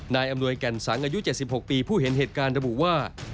อำนวยแก่นสังอายุ๗๖ปีผู้เห็นเหตุการณ์ระบุว่า